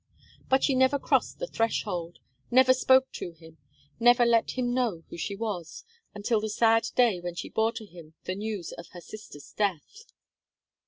But she never crossed the threshold, never spoke to him, never let him know who she was, until the sad day when she bore to him the news of her sister's death.